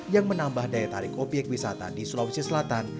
yang menambah daya tarik obyek wisata di sulawesi selatan